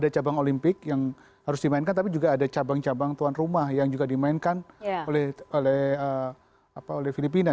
ada cabang olimpik yang harus dimainkan tapi juga ada cabang cabang tuan rumah yang juga dimainkan oleh filipina